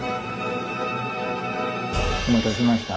お待たせしました。